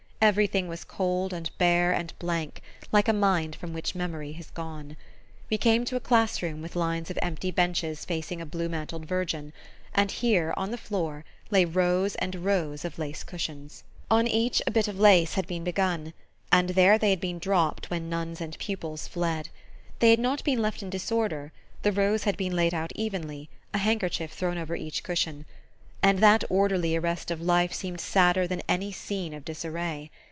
Everything was cold and bare and blank: like a mind from which memory has gone. We came to a class room with lines of empty benches facing a blue mantled Virgin; and here, on the floor, lay rows and rows of lace cushions. On each a bit of lace had been begun and there they had been dropped when nuns and pupils fled. They had not been left in disorder: the rows had been laid out evenly, a handkerchief thrown over each cushion. And that orderly arrest of life seemed sadder than any scene of disarray.